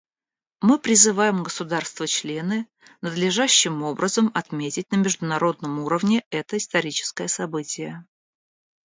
Мы призываем государства-члены надлежащим образом отметить на международном уровне это историческое событие.